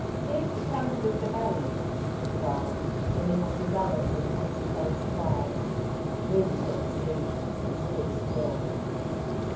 "'Ere she comes with ther babby," he cried, flinging up his arms in clumsy feigned surprise. Loo was not deceived, and stood still.